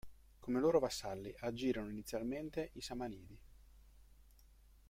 Come loro vassalli agirono inizialmente i Samanidi.